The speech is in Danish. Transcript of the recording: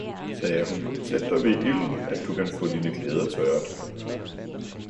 sagde hun, sæt dig ved ilden at du kan få dine klæder tørret!